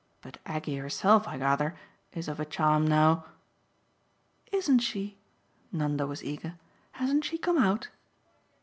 But Aggie herself, I gather, is of a charm now !" "Isn't she?" Nanda was eager. "Hasn't she come out?"